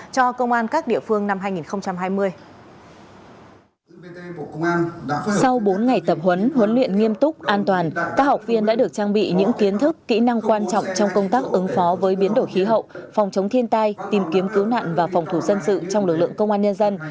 sau bốn ngày tập huấn huấn luyện nghiêm túc an toàn các học viên đã được trang bị những kiến thức kỹ năng quan trọng trong công tác ứng phó với biến đổi khí hậu phòng chống thiên tai tìm kiếm cứu nạn và phòng thủ dân sự trong lực lượng công an nhân dân